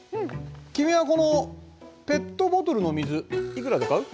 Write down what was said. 君はこのペットボトルの水いくらで買う？